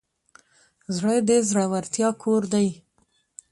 زړه د زړورتیا کور دی.